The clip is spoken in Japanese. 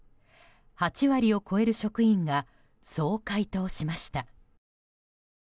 ８割を超える職員がそう回答しました。